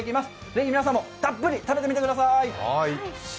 ぜひ皆さんもたっぷり食べてみてください。